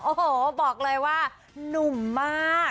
โอ้โหบอกเลยว่านุ่มมาก